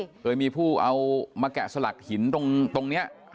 เกิดมีผู้เอามาแกะสลักหินตรงตรงเนี้ยใช่